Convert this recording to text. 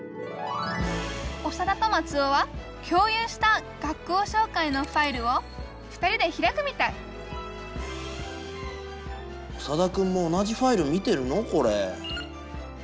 オサダとマツオは共有した学校しょうかいのファイルを２人で開くみたいオサダくんも同じファイルを見てるのこれ？